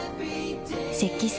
「雪肌精」